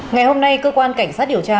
ngày hôm nay cơ quan cảnh sát điều tra